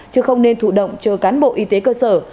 chứ không nên thụ động cho cán bộ y tế cơ sở